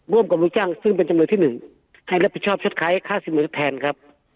ร่วมกับลูกจ้างซึ่งเป็นจำนวนที่หนึ่งให้รับประชอบช็อตค้าข้าศือนิวที่แทนครับ